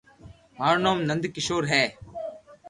مارو نوم نند ڪآݾور ھي